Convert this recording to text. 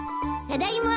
ただいま。